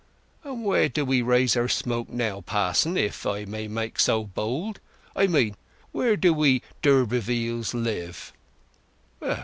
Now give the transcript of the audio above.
And where do we raise our smoke, now, parson, if I may make so bold; I mean, where do we d'Urbervilles live?"